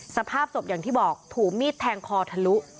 สภาพศพอย่างที่บอกถูกมีดแทงคอทะลุ